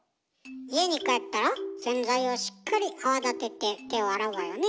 家に帰ったら洗剤をしっかり泡立てて手を洗うわよねえ。